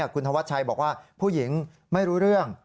คุณธวัชชัยบอกว่าผู้หญิงไม่รู้เรื่อง